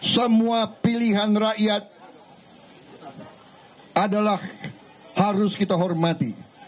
semua pilihan rakyat adalah harus kita hormati